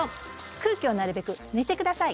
空気をなるべく抜いて下さい。